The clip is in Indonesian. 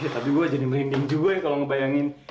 tapi gue jadi merinding juga kalau ngebayangin